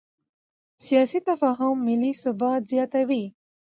سیاسي تفاهم ملي ثبات زیاتوي